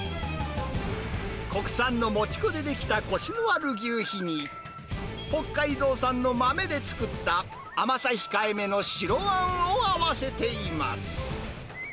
国産の餅粉で出来たこしのあるぎゅうひに、北海道産の豆で作った甘さ控えめの白あんを合わせています。